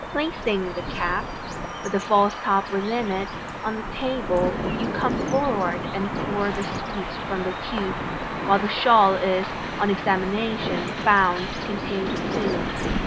Placing the cap, with the false top within it, on the table, you come forward and pour the sweets from the tube, while the shawl is on examination found to contain the plume.